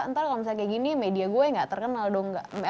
ntar kalau misalnya kayak gini media gue gak terkenal dong